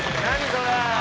それ！